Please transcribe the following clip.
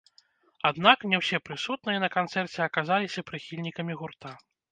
Аднак, не ўсе прысутныя на канцэрце аказаліся прыхільнікамі гурта.